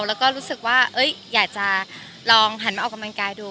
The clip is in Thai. เขาก็รู้สึกว่าอยากไปลองแขิ่งออกกำลังกายด้วย